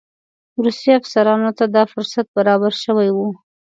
روسي افسرانو ته دا فرصت برابر شوی وو.